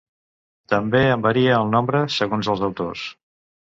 També en varia el nombre segons els autors.